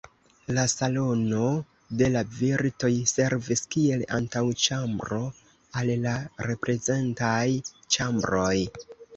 La Salono de la virtoj servis kiel antaŭĉambro al la reprezentaj ĉambroj.